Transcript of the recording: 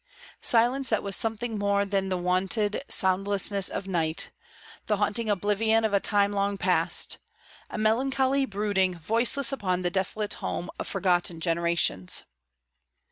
Silence that was something more than the wonted soundlessness of night; the haunting oblivion of a time long past, a melancholy brooding voiceless upon the desolate home of forgotten generations.